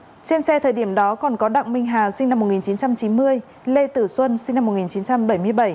trên xe thời điểm đó còn có đặng minh hà sinh năm một nghìn chín trăm chín mươi lê tử xuân sinh năm một nghìn chín trăm bảy mươi bảy